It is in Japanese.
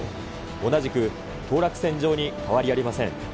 同じく当落線上に変わりありません。